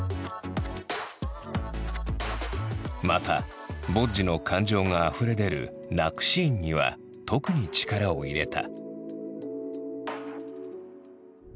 またボッジの感情があふれ出る泣くシーンには特に力を入れた。